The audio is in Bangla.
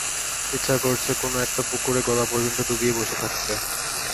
ইচ্ছা করছে কোনো একটা পুকুরে গলা পর্যন্ত ডুবিয়ে বসে থাকতে।